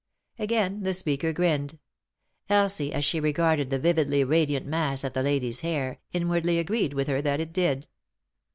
Again the speaker grinned. Elsie, as she regarded the vividly radiant mass of the lady's hair, inwardly agreed with her that it did.